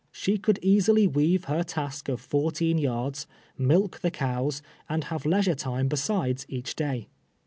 Sbe could easily weave lier task of fourteen yards, milk tlio cows, and liavo leisure time besides each day.